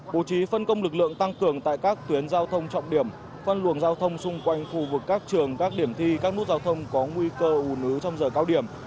bố trí phân công lực lượng tăng cường tại các tuyến giao thông trọng điểm phân luồng giao thông xung quanh khu vực các trường các điểm thi các nút giao thông có nguy cơ ủ nứ trong giờ cao điểm